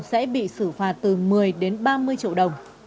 sẽ bị xử phạt từ một mươi đến ba mươi triệu đồng